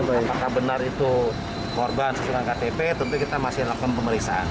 apakah benar itu korban sesuai dengan ktp tentu kita masih lakukan pemeriksaan